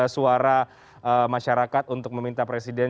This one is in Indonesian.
suara masyarakat untuk meminta presiden